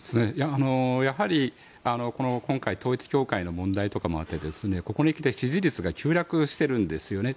やはり今回統一教会の問題とかもあってここに来て、支持率が急落してるんですよね。